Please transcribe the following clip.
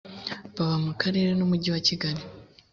baba mu akarere n’ umujyi wa kigali